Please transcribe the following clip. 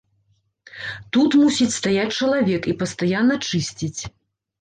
Тут мусіць стаяць чалавек і пастаянна чысціць.